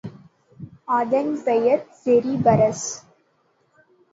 அதன் பெயர் செரிபரஸ்.